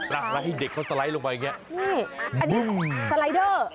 แล้วให้เด็กเขาสไลด์ลงไปอย่างนี้